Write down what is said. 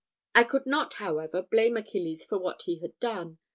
I could not, however, blame Achilles for what he had done.